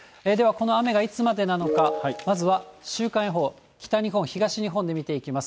この雨がいつまでなのか、まずは週間予報、北日本、東日本で見ていきます。